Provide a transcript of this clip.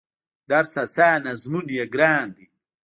درس اسان ازمون يې ګران دی